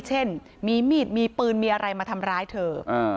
เช่นมีมีดมีปืนมีอะไรมาทำร้ายเธอ